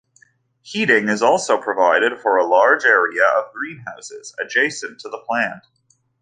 Heating is also provided for a large area of greenhouses adjacent to the plant.